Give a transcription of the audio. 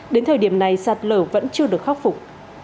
đến thời điểm này sạt lở vẫn chưa được khắc phục